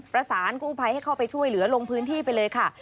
ประสานกู้ภัยให้เข้าไปช่วยเหลือลงพื้นที่ไปเลยค่ะ